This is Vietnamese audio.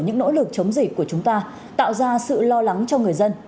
những nỗ lực chống dịch của chúng ta tạo ra sự lo lắng cho người dân